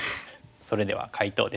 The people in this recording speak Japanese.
それでは解答です。